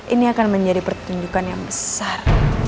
ini akan menjadi pertunjukan yang besar